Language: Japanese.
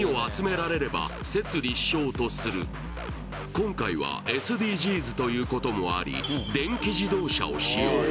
今回はＳＤＧｓということもあり、電気自動車を使用。